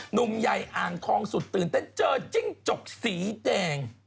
หนุ่มใหญ่อ่างทองสุดตื่นเต้นเจอจิ้งจกสีแดง